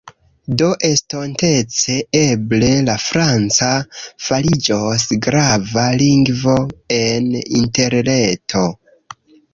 Do estontece, eble, la franca fariĝos grava lingvo en Interreto.